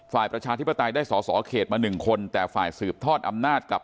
ประชาธิปไตยได้สอสอเขตมา๑คนแต่ฝ่ายสืบทอดอำนาจกับ